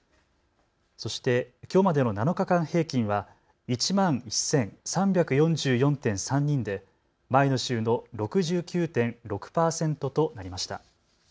そしてきょうまでの７日間平均は１万１３４４．３人で前の週の６９．６％となりました。